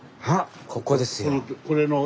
ここですよ。